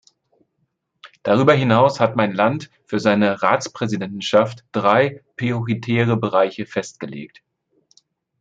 Darüber hinaus hat mein Land für seine Ratspräsidentschaft drei prioritäre Bereiche festgelegt.